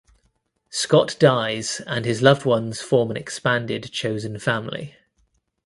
Scott dies and his loved ones form an expanded chosen family.